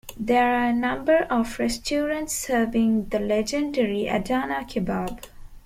There are a number of restaurants serving the legendary Adana kebab.